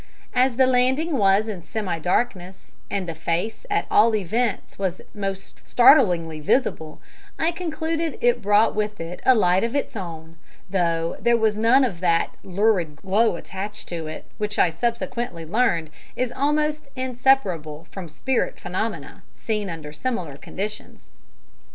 As the landing was in semi darkness, and the face at all events was most startlingly visible, I concluded it brought with it a light of its own, though there was none of that lurid glow attached to it, which I subsequently learned is almost inseparable from spirit phenomena seen under similar conditions.